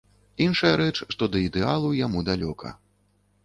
Іншая рэч, што да ідэалу яму далёка.